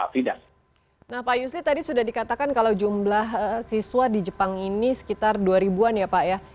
nah pak yusri tadi sudah dikatakan kalau jumlah siswa di jepang ini sekitar dua ribu an ya pak ya